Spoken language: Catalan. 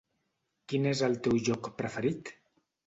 Quin és el teu lloc preferit?